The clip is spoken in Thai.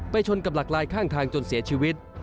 ชนกับหลักลายข้างทางจนเสียชีวิต